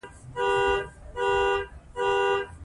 د درد درملنه زیاته شوې ده.